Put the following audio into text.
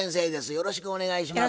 よろしくお願いします。